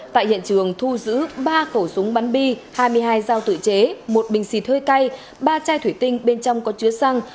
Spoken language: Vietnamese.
tại hiện trường thu giữ ba khẩu súng bắn bi hai mươi hai dao tự chế một bình xịt hơi cay ba chai thủy tinh bên trong có chứa xăng